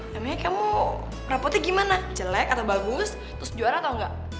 namanya kamu rapotnya gimana jelek atau bagus terus juara atau enggak